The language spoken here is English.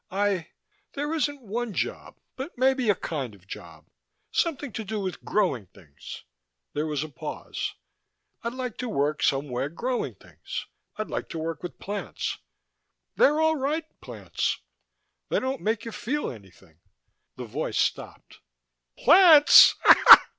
"I there isn't one job, but maybe a kind of job. Something to do with growing things." There was a pause. "I'd like to work somewhere growing things. I'd like to work with plants. They're all right, plants. They don't make you feel anything." The voice stopped. "Plants?"